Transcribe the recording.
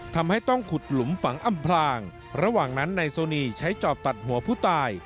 ทำให้ต้องขุดหลุมฝังอำพลางระหว่างนั้นนายโซนีใช้จอบตัดหัวผู้ตาย